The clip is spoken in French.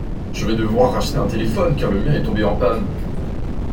Je vais devoir racheter un téléphone car le mien est tombé en panne.